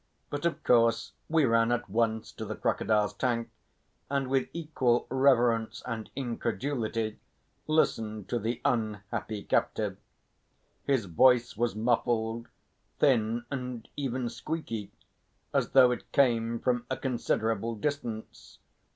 But, of course, we ran at once to the crocodile's tank, and with equal reverence and incredulity listened to the unhappy captive. His voice was muffled, thin and even squeaky, as though it came from a considerable distance.